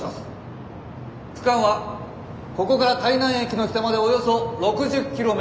区間はここから台南駅の北までおよそ６０ｋｍ。